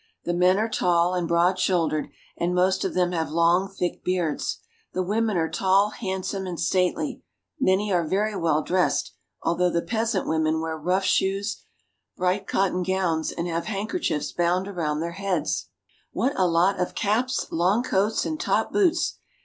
The men are tall and broad shouldered, and most of them have long, thick beards. The women are tall, handsome, and stately. Many are very "^^ a variet y of curious costumes !■■ well dressed, although the peasant women wear rough shoes, bright cotton gowns, and have handkerchiefs bound around their heads. What a lot of caps, long coats, and top boots.